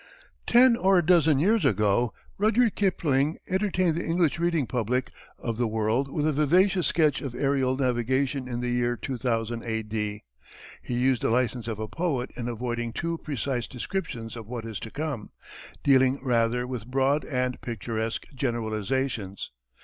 Ten or a dozen years ago Rudyard Kipling entertained the English reading public of the world with a vivacious sketch of aërial navigation in the year 2000 A.D. He used the license of a poet in avoiding too precise descriptions of what is to come dealing rather with broad and picturesque generalizations.